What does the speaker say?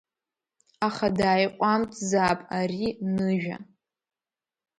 Аха дааиҟәамҵзаап ари Ныжәа…